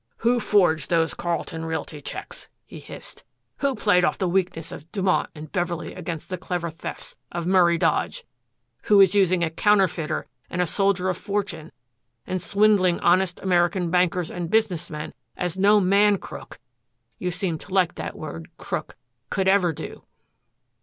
"Who forged those Carlton Realty checks?" he hissed. "Who played off the weakness of Dumont and Beverley against the clever thefts of Murray Dodge! Who is using a counterfeiter and a soldier of fortune and swindling honest American bankers and business men as no man crook you seem to like that word crook could ever do?"